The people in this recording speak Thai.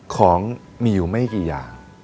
ของมีอยู่ไม่กี่อย่าง